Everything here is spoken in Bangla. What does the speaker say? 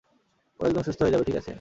ও একদম সুস্থ হয়ে যাবে, ঠিক আছে?